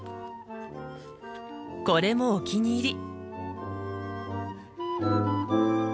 これもお気に入り。